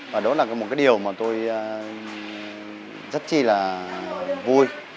và đó là một cái điều mà tôi rất chi là vui